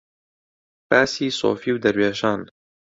باسی سۆفی و دەروێشان